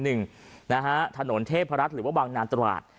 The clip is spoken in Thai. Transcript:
หนึ่งนะฮะถนนเทพรัฐหรือว่าบางนานตราด